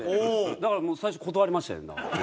だからもう最初断りましたよ。